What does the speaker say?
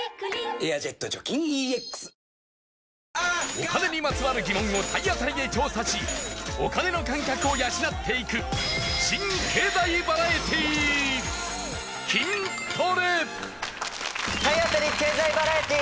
お金にまつわる疑問を体当たりで調査しお金の感覚を養っていく新経済バラエティー体当たり経済バラエティー！